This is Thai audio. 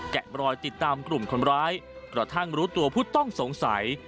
รอยติดตามกลุ่มคนร้ายกระทั่งรู้ตัวผู้ต้องสงสัย